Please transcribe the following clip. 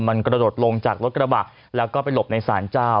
มันกระโดดลงจากรถกระบะแล้วก็ไปหลบในศาลเจ้า